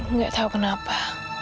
tidak tahu kenapa